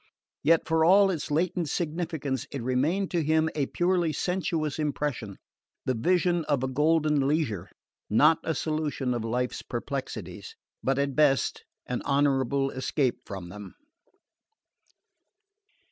Yet for all its latent significance it remained to him a purely sensuous impression, the vision of a golden leisure: not a solution of life's perplexities, but at best an honourable escape from them.